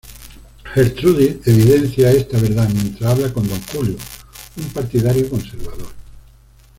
Gertrudis evidencia esta verdad mientras habla con Don Julio, un partidario conservador.